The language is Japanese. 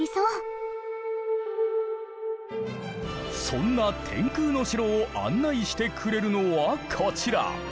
そんな天空の城を案内してくれるのはこちら。